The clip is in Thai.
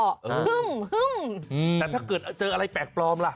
ฮึ่มแต่ถ้าเกิดเจออะไรแปลกปลอมล่ะ